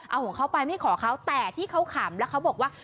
เอาของเขาไปไม่ขอเขาแต่ที่เขาขำแล้วเขาบอกว่า